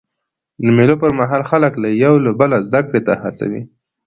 د مېلو پر مهال خلک یو له بله زدهکړي ته هڅوي.